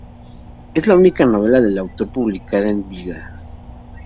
Es la única novela del autor publicada en vida.